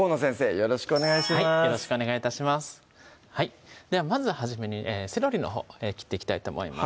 よろしくお願い致しますではまず初めにセロリのほう切っていきたいと思います